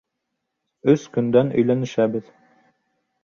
Өс көндән өйләнешәбеҙ!